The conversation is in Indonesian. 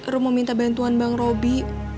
rum mau minta bantuan bang robby